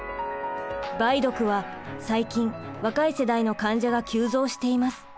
梅毒は最近若い世代の患者が急増しています。